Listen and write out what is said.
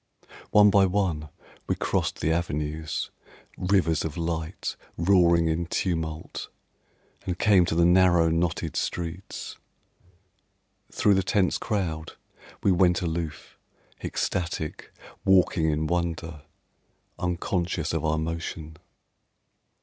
One by one we crossed the avenues, Rivers of light, roaring in tumult, And came to the narrow, knotted streets. Thru the tense crowd We went aloof, ecstatic, walking in wonder, Unconscious of our motion.